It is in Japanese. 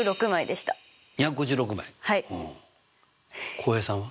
浩平さんは？